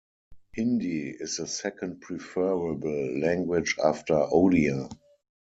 Hindi is the second preferable language after Odia.